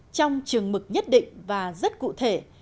trong trường mực nhất định và rất cụ thể